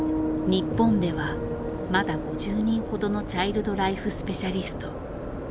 日本ではまだ５０人ほどのチャイルド・ライフ・スペシャリスト。